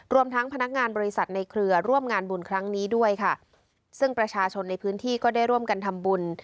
รวมทั้งพนักงานบริษัทในเครือร่วมงานบุญครั้งนี้ด้วยค่ะซึ่งประชาชนในพื้นที่ก็ได้ร่วมกันทำบุญ